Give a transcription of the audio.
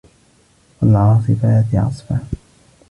فَالعاصِفاتِ عَصفًا